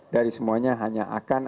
dari semuanya hanya akan